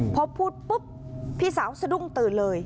พอพูดปุ๊บพี่สาวสะดุ้งตื่นเลย